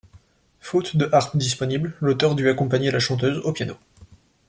Faute de harpe disponible, l'auteur dut accompagner la chanteuse au piano.